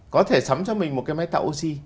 có thể sắm cho mình một cái máy tạo oxy